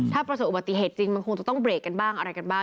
ถ้าประสบอุบัติเหตุจริงมันคงจะต้องเบรกกันบ้างอะไรกันบ้าง